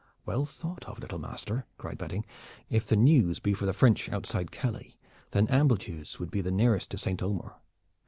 "Well thought of, little master!" cried Badding. "If the news be for the French outside Calais, then Ambleteuse would be nearest to Saint Omer.